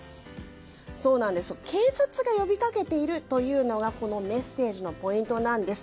警察が呼び掛けているというのがこのメッセージのポイントなんです。